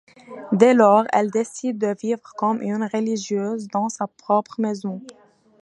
Dès lors, elle décide de vivre comme une religieuse dans sa propre maison.